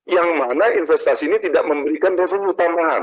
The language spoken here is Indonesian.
yang mana investasi ini tidak memberikan resursi utama